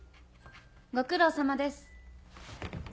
ご苦労さまです。